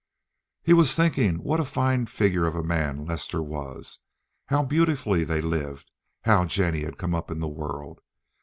He was thinking what a fine figure of a man Lester was, how beautifully they lived, how Jennie had come up in the world.